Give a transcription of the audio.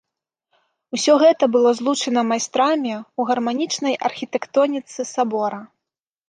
Усё гэта было злучана майстрамі ў гарманічнай архітэктоніцы сабора.